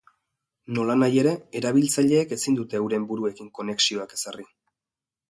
Nolanahi ere, erabiltzaileek ezin dute euren buruekin konexioak ezarri.